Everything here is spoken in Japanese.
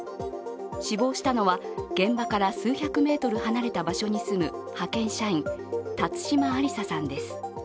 死亡したのは現場から数百メートル離れた場所に住む派遣社員、辰島ありささんです。